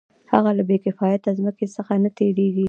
هغه له بې کفایته ځمکې څخه نه تېرېږي